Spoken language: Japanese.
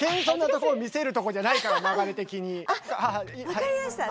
わかりました。